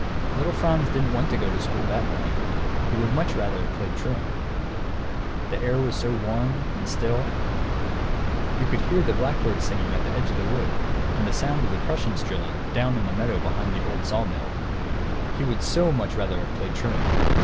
] Little Franz didn't want to go to school, that morning. He would much rather have played truant. The air was so warm and still, you could hear the blackbird singing at the edge of the wood, and the sound of the Prussians drilling, down in the meadow behind the old sawmill. He would so much rather have played truant!